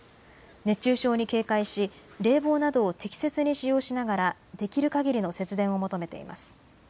熱中症に警戒し冷房などを適切に使用しながら、できるかぎりの節電を求めています。